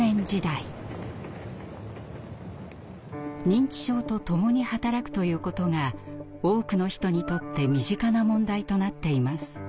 認知症とともに働くということが多くの人にとって身近な問題となっています。